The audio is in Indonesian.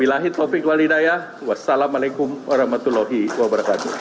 assalamualaikum warahmatullahi wabarakatuh